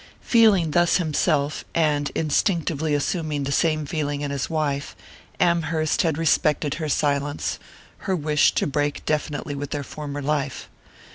Feeling thus himself, and instinctively assuming the same feeling in his wife, Amherst had respected her silence, her wish to break definitely with their former life.